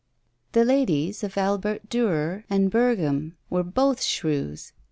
The ladies of Albert Durer and Berghem were both shrews.